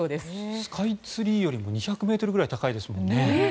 スカイツリーよりも２００ｍぐらい高いですもんね。